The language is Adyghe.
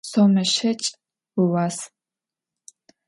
Сомэ щэкӏ ыуас.